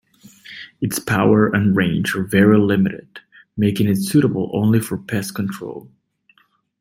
Its power and range are very limited, making it suitable only for pest control.